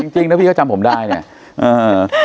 จริงพี่ก็จำผมได้เนี่ย